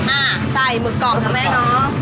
อ่ะใส่หมึกกรอบนะแม่เนาะ